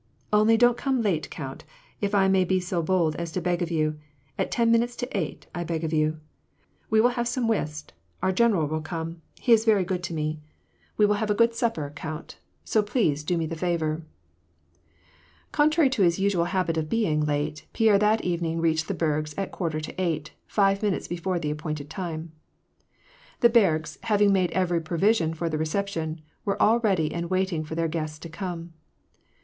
Only don't come late, count, if I may be so bold as to beg of you ; at ten minutes to eight, I beg of you. We will have some whist; our general will come, — he is veiy good to me. 218 ♦ WAii AND PEACE. We will haye a good supper, count So please do me the favor." Contrary to his usual habit of being late, Pierre that evening reached the Bergs at quarter to eight ; five minutes before the appointed time. The Bergs, having made every provision for the reception, were all ready and waiting for their guests to come.